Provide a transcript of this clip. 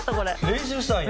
「練習したんや」